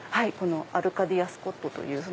アルカディア・スコットという。